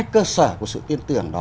hai cơ sở của sự tin tưởng đó